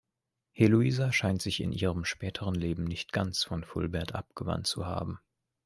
Heloisa scheint sich in ihrem späteren Leben nicht ganz von Fulbert abgewandt zu haben.